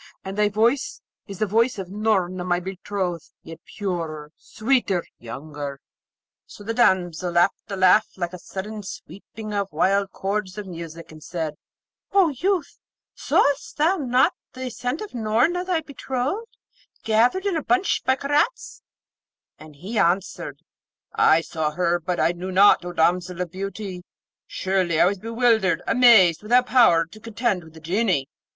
And thy voice is the voice of Noorna, my betrothed; yet purer, sweeter, younger.' So the damsel laughed a laugh like a sudden sweeping of wild chords of music, and said, 'O youth, saw'st thou not the ascent of Noorna, thy betrothed, gathered in a bunch by Karaz?' And he answered, 'I saw her; but I knew not, O damsel of beauty; surely I was bewildered, amazed, without power to contend with the Genie.'